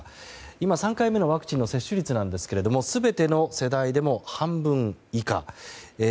今、３回目のワクチンの接種率なんですけれども全ての世代でも半分以下。